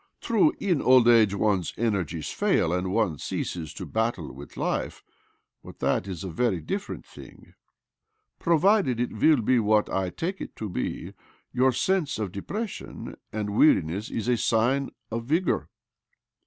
True, in old age one's energies fail, and one ceases to battle with life ; but that is a very, different thing. Provided it be what I take it to be, your sense of depression and weariness is ■a sign of vigour.